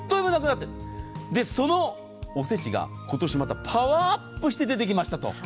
それで、そのおせちが今年またパワーアップして出てきましたと。